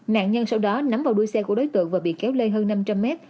nạn nhân sau đó nắm vào đuôi xe của đối tượng và bị kéo lê hơn năm trăm linh mét